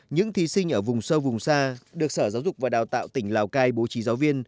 những thí sinh ở vùng sâu vùng xa được sở giáo dục và đào tạo tỉnh lào cai bố trí giáo viên